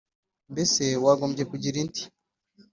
Mbese wagombye kugira idini